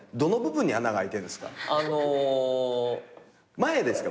前ですか？